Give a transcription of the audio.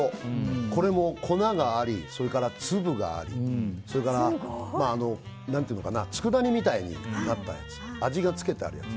これも粉があり、粒がありそれからつくだ煮みたいになったやつ味がつけてあるやつ。